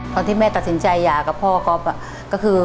ตอนที่แม่ตัดสินใจหย่ากับพ่อก๊อฟก็คือ